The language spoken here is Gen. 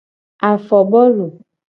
Afobolu.